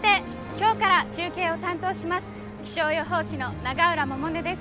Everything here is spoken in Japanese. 今日から中継を担当します